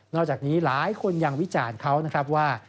อกจากนี้หลายคนยังวิจารณ์เขานะครับว่า